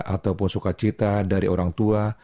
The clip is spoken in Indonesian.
ataupun sukacita dari orang tua